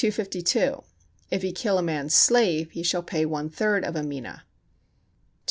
If he kill a man's slave, he shall pay one third of a mina. 253.